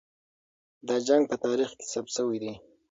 دا جنګ په تاریخ کې ثبت سوی دی.